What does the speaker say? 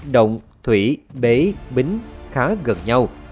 động thủy bế bính khá gần nhau